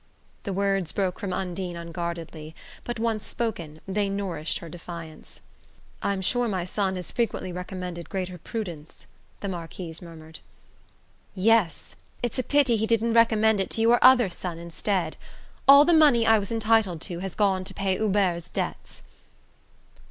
The words broke from Undine unguardedly, but once spoken they nourished her defiance. "I'm sure my son has frequently recommended greater prudence " the Marquise murmured. "Yes! It's a pity he didn't recommend it to your other son instead! All the money I was entitled to has gone to pay Hubert's debts."